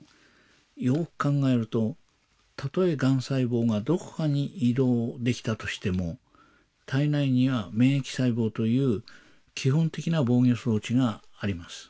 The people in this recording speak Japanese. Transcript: よく考えるとたとえがん細胞がどこかに移動できたとしても体内には免疫細胞という基本的な防御装置があります。